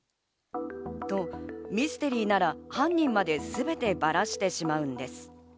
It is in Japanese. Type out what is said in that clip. と、ミステリーなら犯人まですべてバラしてしまうんです。